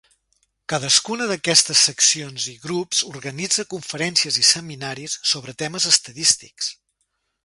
Cadascuna d'aquestes seccions i grups organitza conferències i seminaris sobre temes estadístics.